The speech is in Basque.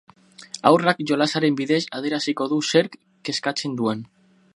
Haurrak jolasaren bidez adieraziko du zerk kezkatzen duen.